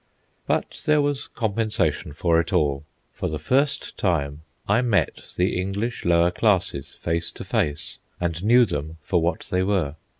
But there was compensation for it all. For the first time I met the English lower classes face to face, and knew them for what they were.